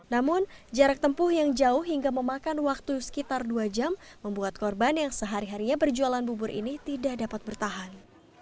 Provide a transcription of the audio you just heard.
namun jarak tempuh yang jauh hingga memakan waktu sekitar dua jam membuat korban yang sehari harinya berjualan bubur ini tidak dapat bertahan